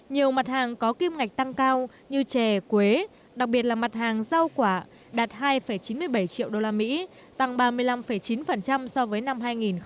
nhiều mặt hàng có kim ngạch tăng cao như chè quế đặc biệt là mặt hàng rau quả đạt hai chín mươi bảy triệu usd tăng ba mươi năm chín so với năm hai nghìn một mươi bảy